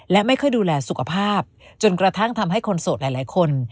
และไม่ค่อยดูแลสุขภาพจนกระทั่งทำให้คนโสดหลายคน